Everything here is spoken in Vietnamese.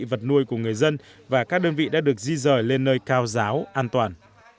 vật nuôi của người dân và các đơn vị đã được di rời lên nơi cao giáo an toàn